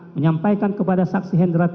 menyampaikan kepada saksi perdisambo s i k m h